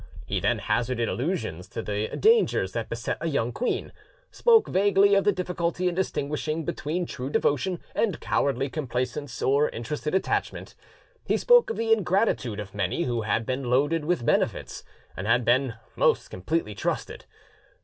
He then hazarded allusions to the dangers that beset a young queen, spoke vaguely of the difficulty in distinguishing between true devotion and cowardly complaisance or interested attachment; he spoke of the ingratitude of many who had been loaded with benefits, and had been most completely trusted.